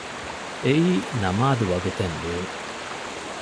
އެއީ ނަމާދު ވަގުތެއް ނޫން